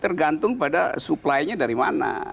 tergantung pada supplynya dari mana